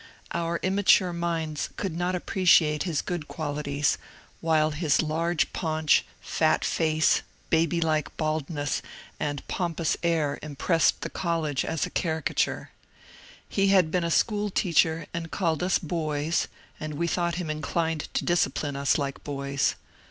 Our immature minds could not appreciate his good qualities, while his large paunch, fat face, baby like baldness, and pompous air impressed the whole 66 MONCDRE DANIEL CONWAY college as a caricature. He had been a school teacher, and called us ^^ boys," and we thought him inclined to discipline us like boys.